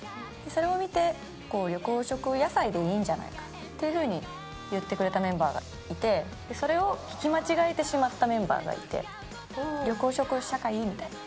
それを見て、緑黄色野菜でいいんじゃないかっていうふうに言ってくれたメンバーがいて、それを聞き間違えてしまったメンバーがいて、緑黄色社会？みたいな。